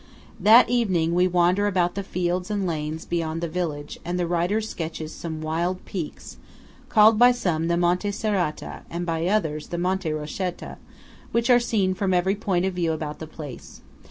That evening we wander about the fields and lanes beyond the village, and the writer sketches some wild peaks (called by some the Monte Serrata, and by others the Monte Rochetta) which are seen from every point of view about the place.